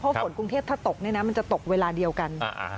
เพราะฝนกรุงเทพฯถ้าตกมันจะตกเวลาเดียวกัน